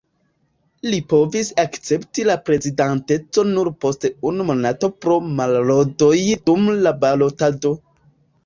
Li povis akcepti la prezidantecon nur post unu monato pro malordoj dum la balotado.